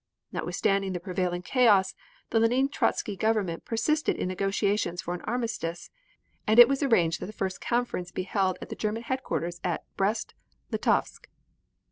Notwithstanding the prevailing chaos, the Lenine Trotzky Government persisted in negotiations for an armistice, and it was arranged that the first conference be held at the German headquarters at Brest Litovsk.